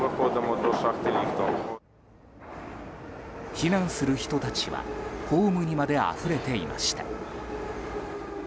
避難する人たちはホームにまであふれていました。